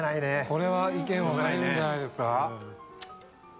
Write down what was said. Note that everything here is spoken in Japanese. これは意見を変えるんじゃないですか。